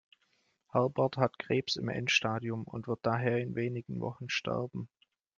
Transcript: Herbert hat Krebs im Endstadium und wird daher in wenigen Wochen sterben.